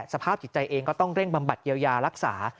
สภาพจิตใจเองก็ต้องเร่งบำบัดเยียวยารักษา